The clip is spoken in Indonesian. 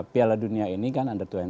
piala dunia ini kan under dua puluh